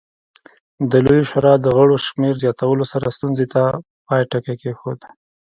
د لویې شورا د غړو شمېر زیاتولو سره ستونزې ته پای ټکی کېښود